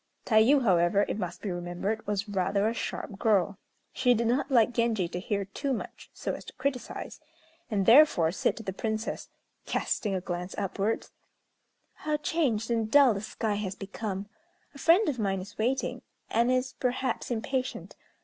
Tayû, however, it must be remembered, was rather a sharp girl. She did not like Genji to hear too much, so as to criticise; and, therefore, said to the Princess, casting a glance upwards, "How changed and dull the sky has become. A friend of mine is waiting; and is, perhaps, impatient.